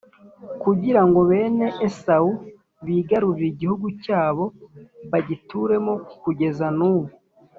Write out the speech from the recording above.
kugira ngo bene Esawu bigarurire igihugu cyabo bagituremo kugezan’ubu.